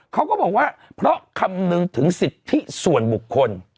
เขาก็บอกว่าเพราะคำนึงถึงสิทธิส่วนบุคคล